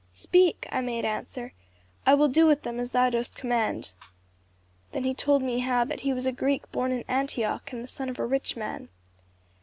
'Speak,' I made answer, 'I will do with them as thou dost command.' Then he told me how that he was a Greek born in Antioch, and the son of a rich man.